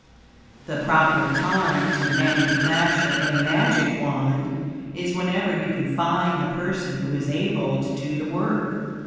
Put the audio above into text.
The proper time to manufacture a Magic Wand is whenever you can find the person who is able to do the work.